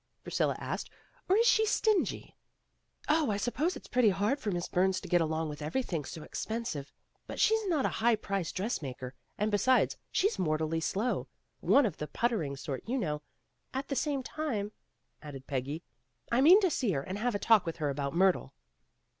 Priscilla asked, "Or is she stingy?" "Oh, I suppose it's pretty hard for Miss Burns to get along with everything so expen sive. She's not a high priced dress maker, and besides she's mortally slow; one of the putter ing sort, you know. At the same time, '' added Peggy, "I mean to see her and have a talk with her about Myrtle."